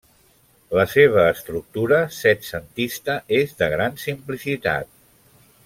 La seva estructura, setcentista, és de gran simplicitat.